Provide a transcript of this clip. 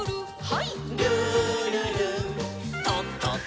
はい。